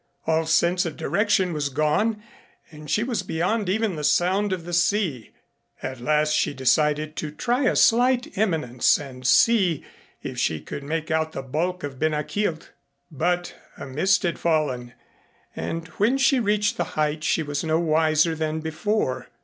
All sense of direction was gone and she was beyond even the sound of the sea. At last she decided to try a slight eminence and see if she could make out the bulk of Ben a Chielt, but a mist had fallen, and when she reached the height she was no wiser than before.